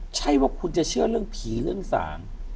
ใช่ว่าคุณจะเชื่อเรื่องผีเรื่องสาง